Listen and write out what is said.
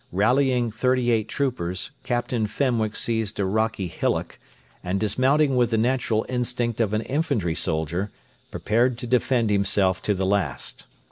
Rallying thirty eight troopers, Captain Fenwick seized a rocky hillock, and dismounting with the natural instinct of an infantry soldier, prepared to defend himself to the last.